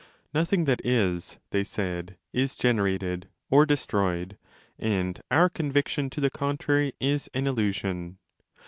1 298° Nothing that is, they said, is generated or destroyed, and our conviction to the contrary is an illusion.